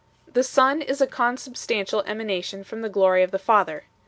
The Son is a consubstantial emanation from the glory of the Father.